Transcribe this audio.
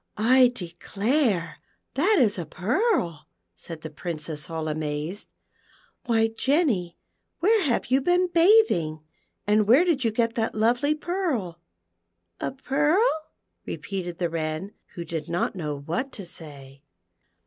" I declare that is a pearl," said the Princess, all amazed. " Why, Jenny, where have you been bathing, and where did you get that lovely pearl V "A pearl 1" repeated the Wren, who did not know wliat to say.